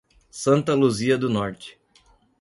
Santa Luzia do Norte